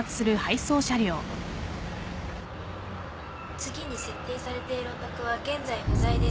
次に設定されているお宅は現在不在です。